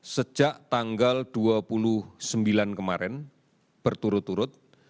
sejak tanggal dua puluh sembilan kemarin berturut turut